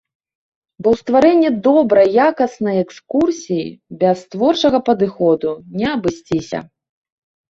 Бо ў стварэнні добрай якаснай экскурсіі без творчага падыходу не абысціся.